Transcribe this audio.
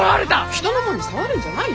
人のもんに触るんじゃないよ。